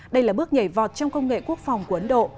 đây là bước nhảy vọt trong công nghệ quốc phòng của ấn độ